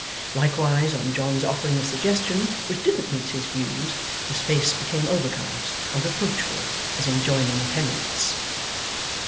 Likewise, on John's offering a suggestion which didn't meet his views, his face became overcast and reproachful, as enjoining penance.